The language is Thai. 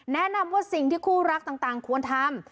แนะนำว่าสิ่งที่คู่รักต่างควรทำ